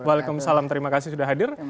waalaikumsalam terima kasih sudah hadir